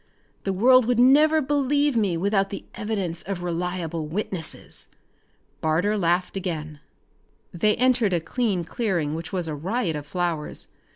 The world would never believe me without the evidence of reliable witnesses." Barter laughed again. They entered a clean clearing which was a riot of flowers.